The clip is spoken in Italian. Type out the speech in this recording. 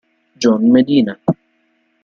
John Medina